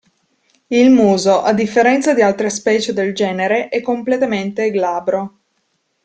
Il muso, a differenza di altre specie del genere, è completamente glabro.